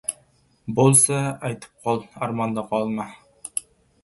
— Bo‘lsa, aytib qol, armonda qolma!